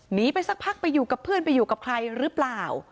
หนีไปสักพักไปอยู่กับเพื่อนไปอยู่กับใครหรือเปล่า